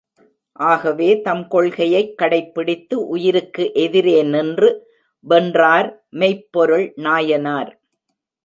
ஆகவே தம் கொள்கையைக் கடைப்பிடித்து உயிருக்கு எதிரே நின்று வென்றார், மெய்ப் பொருள் நாயனார்.